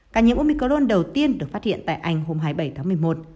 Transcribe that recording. ca nhiễm umicron đầu tiên được phát hiện tại anh hôm hai mươi bảy tháng một mươi một